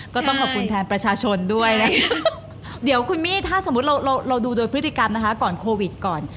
ก็ต้องขอบคุณแทนประชาชนด้วยนะคะเดี๋ยวคุณมี่ถ้าสมมุติเราเราดูโดยพฤติกรรมนะคะก่อนโควิดก่อน